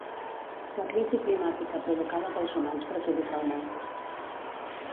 La crisi climàtica provocada pels humans perjudica el món